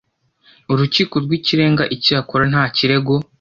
Urukiko Rw Ikirenga Icyakora Nta Kirego